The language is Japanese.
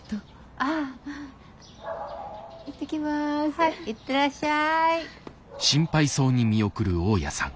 はい行ってらっしゃい。